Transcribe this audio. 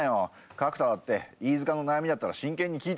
角田だって飯塚の悩みだったら真剣に聞くよ。